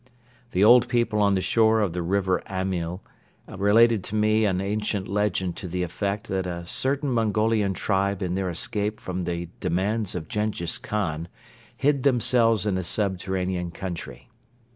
The old people on the shore of the River Amyl related to me an ancient legend to the effect that a certain Mongolian tribe in their escape from the demands of Jenghiz Khan hid themselves in a subterranean country.